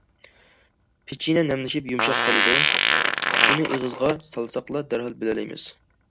پېچىنە نەملىشىپ يۇمشاپ قالىدۇ، ئۇنى ئېغىزغا سالساقلا، دەرھال بىلەلەيمىز.